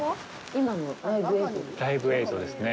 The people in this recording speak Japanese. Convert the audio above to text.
今のライブ映像ですか。